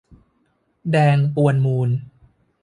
แดง ปวนมูล